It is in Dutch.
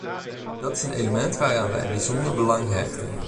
Dat is een element waaraan wij bijzonder belang hechten.